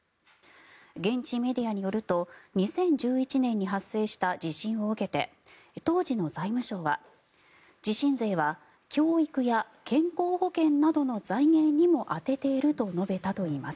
現地メディアによると２０１１年に発生した地震を受けて当時の財務省は地震税は教育や健康保険などの財源にも充てていると述べたといいます。